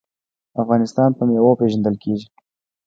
افغانستان په میوو پیژندل کیږي.